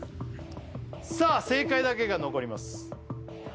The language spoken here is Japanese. さあ正解だけが残ります